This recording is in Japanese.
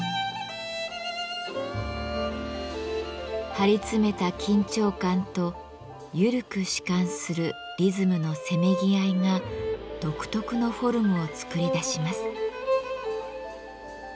張り詰めた緊張感と緩く弛緩するリズムのせめぎ合いが独特のフォルムを作り出します。